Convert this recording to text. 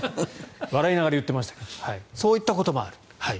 笑いながら言っていましたけどそういったこともある。